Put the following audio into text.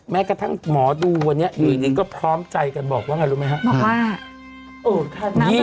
แม้กระทั่งหมอดูวันนี้อยู่ดีก็พร้อมใจกันบอกว่าไงรู้ไหมครับ